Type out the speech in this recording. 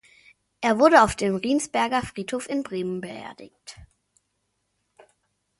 Er wurde auf dem Riensberger Friedhof in Bremen beerdigt.